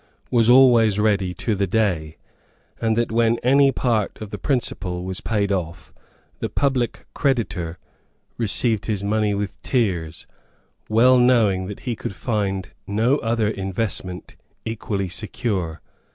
was always ready to the day, and that when any part of the principal was paid off the public creditor received his money with tears, well knowing that he could find no other investment equally secure.